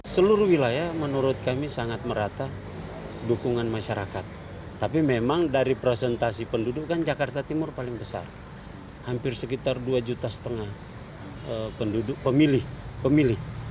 seluruh wilayah menurut kami sangat merata dukungan masyarakat tapi memang dari presentasi penduduk kan jakarta timur paling besar hampir sekitar dua juta setengah pemilih